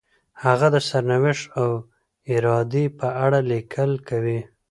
هغه د سرنوشت او ارادې په اړه لیکل کوي.